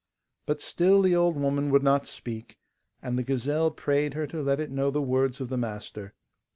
But still the old woman would not speak, and the gazelle prayed her to let it know the words of the master.